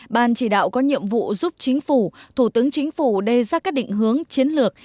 ban chỉ đạo có nhiệm vụ giúp chính phủ thủ tướng chính phủ đề ra các định hướng chiến lược